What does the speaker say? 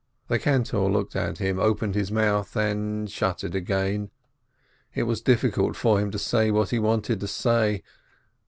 The cantor looked at him, opened his mouth and shut it again; it was difficult for him to say what he wanted to say.